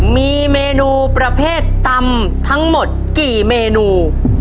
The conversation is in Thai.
มีเมนูประเภทตำทั้งหมดกี่เมนู